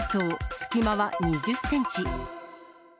隙間は２０センチ。